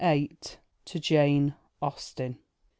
VIII. To Jane Austen.